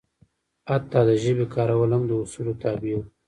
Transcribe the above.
حتی د ژبې کارول هم د اصولو تابع وو.